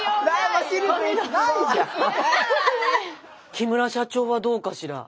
木村社長はどうかしら？